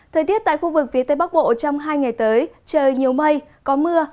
thời tiết tại khu vực phía tây bắc bộ trong hai ngày tới trời nhiều mây có mưa